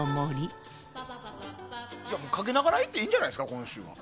かけながらいっていいんじゃないですか？